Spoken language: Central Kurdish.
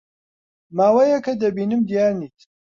ماوەیەکە دەبینم دیار نیت.